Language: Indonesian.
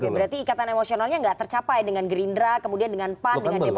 berarti ikatan emosionalnya gak tercapai dengan gerindra kemudian dengan pan dengan dpp